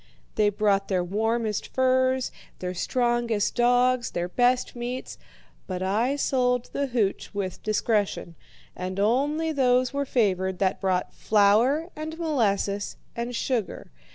They brought their warmest furs, their strongest dogs, their best meats; but I sold the hooch with discretion, and only those were favoured that brought flour and molasses and sugar.